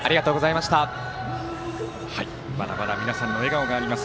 まだまだ皆さんの笑顔があります。